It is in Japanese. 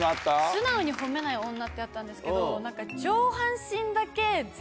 素直に褒めない女ってあったんですけど。